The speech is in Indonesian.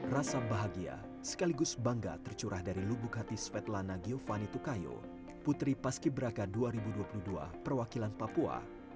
rasa bahagia sekaligus bangga tercurah dari lubuk hati svetlana giovanni tukayo putri paski beraka dua ribu dua puluh dua perwakilan papua